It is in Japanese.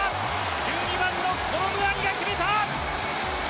１２番のコロムアニが決めた！